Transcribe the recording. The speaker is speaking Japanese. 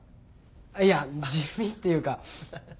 いや地味っていうか。